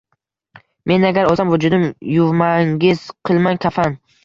Men agar o’lsam vujudim yuvmangiz, qilmang kafan